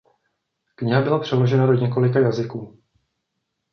Kniha byla přeložena do několika jazyků.